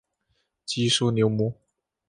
基舒纽姆。